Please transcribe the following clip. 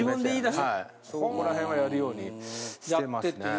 はいそこらへんはやるようにしてますね。